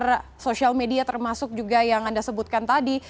menyasar sosial media termasuk juga yang anda sebutkan tadi